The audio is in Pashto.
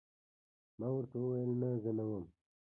ما ورته وویل: نه، زه نه وم.